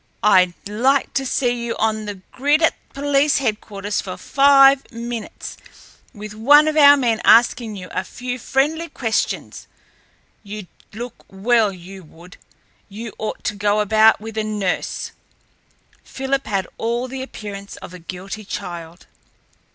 I'd like to see you on the grid at police headquarters for five minutes, with one of our men asking you a few friendly questions! You'd look well, you would! You ought to go about with a nurse!" Philip had all the appearance of a guilty child.